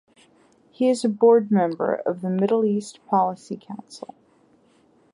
He is a board member of the Middle East Policy Council.